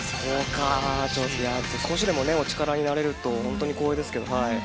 少しでもお力になれると本当に光栄ですけど。